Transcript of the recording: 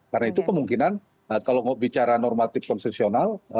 karena itu kemungkinan kalau bicara normatif konsesional